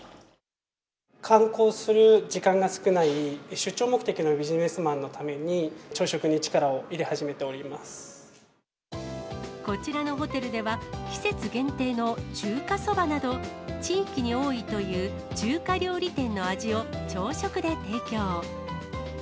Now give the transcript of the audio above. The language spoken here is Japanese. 観光する時間が少ない、出張目的のビジネスマンのために、こちらのホテルでは、季節限定の中華そばなど、地域に多いという中華料理店の味を朝食で提供。